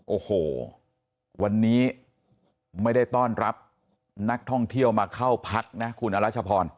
โอ้โหวันนี้ไม่ได้ต้อนรับนักท่องเที่ยวมาเข้าพักนะคุณอรัชพร